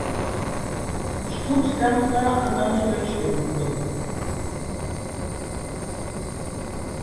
Stuttgarter Amateur Schwimm Club".